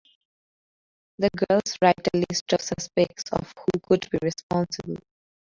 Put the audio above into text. The girls write a list of suspects of who could be responsible.